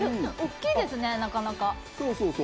大きいですね、なかなか。